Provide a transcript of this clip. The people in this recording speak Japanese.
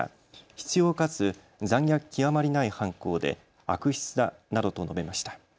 執ようかつ残虐極まりない犯行で悪質だなどと述べました。